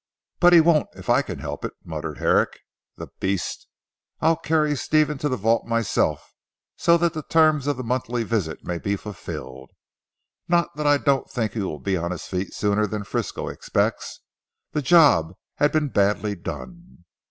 "But he won't if I can help it," muttered Herrick, "the beast. I'll carry Stephen to the vault myself so that the terms of the monthly visit may be fulfilled. Not that I don't think he will be on his feet sooner than Frisco expects. The job had been badly done."